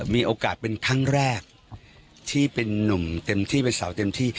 มีโอกาสเป็นครั้งแรกที่เป็นนุ่มเต็มที่เป็นสาวเต็มที่